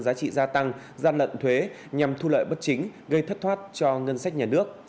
giá trị gia tăng gian lận thuế nhằm thu lợi bất chính gây thất thoát cho ngân sách nhà nước